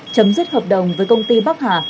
chấm dứt hợp đồng với công ty bắc hà